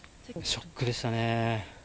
ショックでしたね。